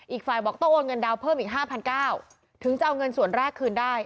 อีกไฟล์บอกต้องโอนเงินดาวน์เพิ่มอีกห้าพันเก้าถึงจะเอาเงินสวนแรกคืนได้